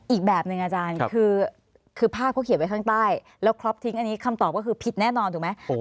อีกแบบหนึ่งอาจารย์คือภาพเขาเขียนไว้ข้างใต้แล้วครอบทิ้งอันนี้คำตอบก็คือผิดแน่นอนถูกไหม